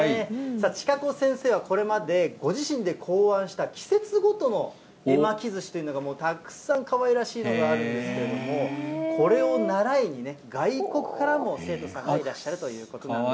千賀子先生はこれまでご自身で考案した季節ごとの絵巻寿司というのがもうたくさんかわいらしいものあるんですけど、これを習いにね、外国からも生徒さんがいらっしゃるということなんです。